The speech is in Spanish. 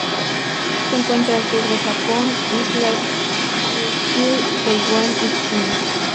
Se encuentra al sur del Japón, Islas Ryukyu, Taiwán y China.